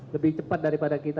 lebih cepat daripada kita